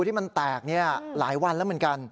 ที่มันแตกหลายวันแล้วเหมือนกัน